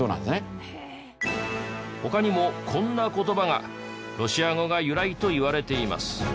他にもこんな言葉がロシア語が由来といわれています。